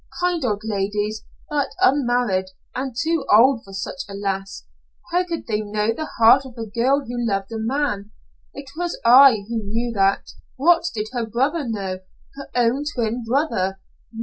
"Kind old ladies, but unmarried, and too old for such a lass. How could they know the heart of a girl who loved a man? It was I who knew that. What did her brother know her own twin brother?